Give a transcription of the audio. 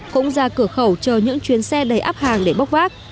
cũng ra cửa khẩu chờ những chuyến xe đầy áp hàng để bốc vác